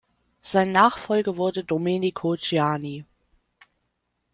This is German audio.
Sein Nachfolger wurde Domenico Giani.